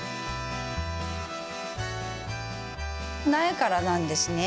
苗からなんですね。